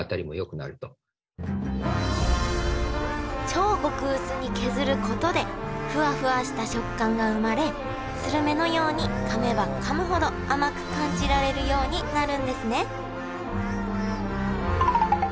超極薄に削ることでフワフワした食感が生まれするめのようにかめばかむほど甘く感じられるようになるんですね